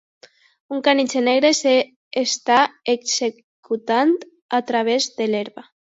Un Caniche negre s'està executant a través de l'herba